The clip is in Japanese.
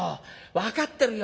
分かってるよ。